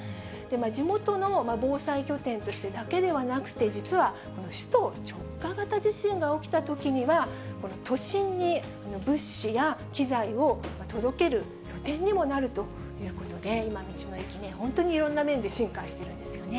地元の防災拠点としてだけではなくて、実は首都直下型地震が起きたときには、この都心に物資や機材を届ける拠点にもなるということで、今、道の駅ね、本当にいろんな面で進化しているんですよね。